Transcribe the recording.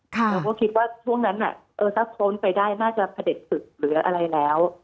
ผมก็คิดว่าช่วงนั้นน่ะเออสักโค้นไปได้น่าจะเผด็จสึกหรืออะไรแล้ว